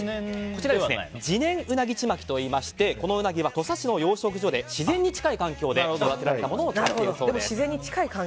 こちら地然うなぎちまきといいましてこのウナギは土佐市の養殖場で自然に近い環境で育てられたものを調理したそうです。